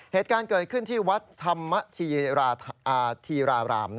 เหตุการณ์เกิดขึ้นที่วัดธรรมธีราราม